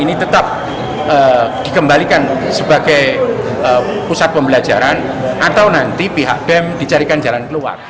ini tetap dikembalikan sebagai pusat pembelajaran atau nanti pihak bem dicarikan jalan keluar